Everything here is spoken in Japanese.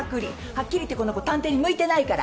はっきり言ってこの子探偵に向いてないから。